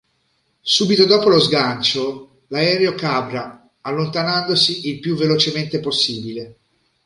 Subito dopo lo sgancio l'aereo cabra allontanandosi il più velocemente possibile.